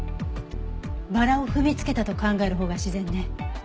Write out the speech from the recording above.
バラを踏みつけたと考えるほうが自然ね。